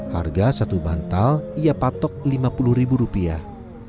harga satu bantal ia patok lima puluh ribu rupiah